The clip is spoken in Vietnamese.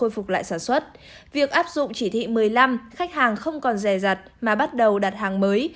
phục lại sản xuất việc áp dụng chỉ thị một mươi năm khách hàng không còn rè rặt mà bắt đầu đặt hàng mới